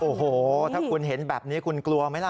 โอ้โหถ้าคุณเห็นแบบนี้คุณกลัวไหมล่ะ